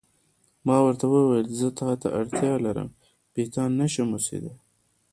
ما ورته وویل: زه تا ته اړتیا لرم، بې تا نه شم اوسېدای.